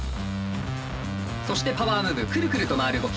そしてパワームーブクルクルと回る動き。